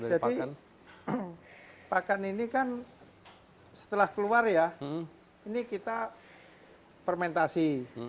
jadi pakan ini kan setelah keluar ya ini kita fermentasi